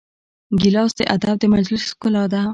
ګیلاس د ادب د مجلس ښکلا ده.